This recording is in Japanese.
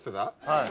はい。